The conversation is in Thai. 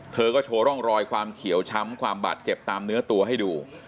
เธอก็โชว์ร่องรอยความเขียวช้ำความบาดเจ็บตามเนื้อตัวให้ดู